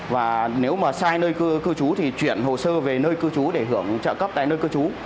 và nếu mà sai nơi cư chú thì chuyển hồ sơ về nơi cư chú để hưởng trợ cấp tại nơi cư chú